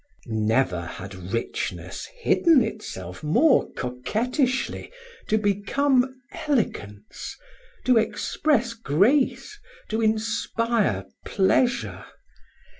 Never had richness hidden itself more coquettishly to become elegance, to express grace, to inspire pleasure.